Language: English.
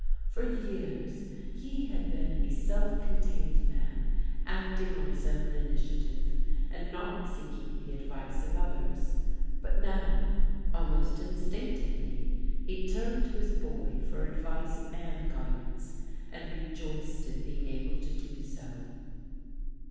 For years he had been a self contained man acting on his own initiative, and not seeking the advice of others, but now, almost instinctively, he turned to his boy for advice and guidance, and rejoiced in being able to do so.